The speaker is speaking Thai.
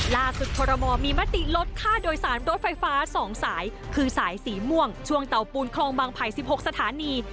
คอรมอลมีมติลดค่าโดยสารรถไฟฟ้า๒สายคือสายสีม่วงช่วงเตาปูนคลองบางไผ่๑๖สถานี